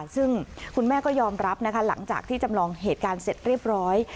ซึ่งคุณแม่ก็ยอมรับนะคะหลังจากที่จำลองเหตุการณ์เสร็จเรียบร้อย